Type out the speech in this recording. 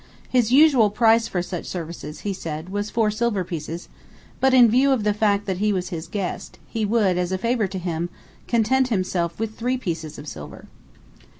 His usual price for such services, he said, was four silver pieces, but in view of the fact that he was his guest, he would, as a favor to him, content himself with three pieces of silver.